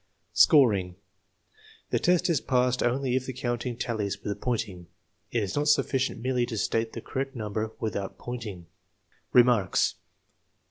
Scoring. The test is passed only if the counting tallies with the pointing. It is not sufficient merely to state the correct number without pointing. Remarks.